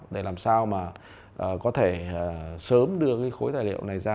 để làm sao có thể sớm đưa khối tài liệu này ra